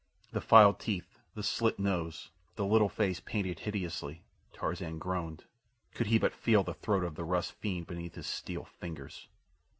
The filed teeth, the slit nose, the little face painted hideously. Tarzan groaned. Could he but feel the throat of the Russ fiend beneath his steel fingers!